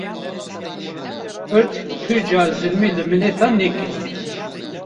Kurd tu car zilmê li miletan nekiriye